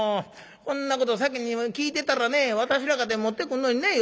こんなこと先に聞いてたらね私らかて持ってくんのにね芳っさん」。